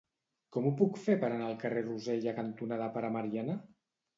Com ho puc fer per anar al carrer Rosella cantonada Pare Mariana?